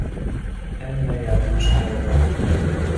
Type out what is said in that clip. Әммә яҙмыш аяуһыҙ